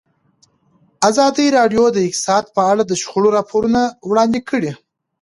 ازادي راډیو د اقتصاد په اړه د شخړو راپورونه وړاندې کړي.